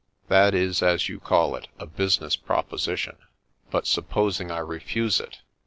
"That is, as you call it, a business proposition. But sup posing I refuse it?